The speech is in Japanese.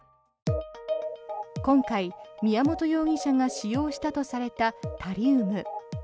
今回、宮本容疑者が使用したとされたタリウム。